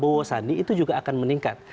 prabowo sandi itu juga akan meningkat